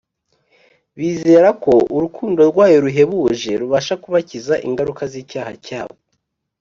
, bizera ko urukundo rwayo ruhebuje rubasha kubakiza ingaruka z’icyaha cyabo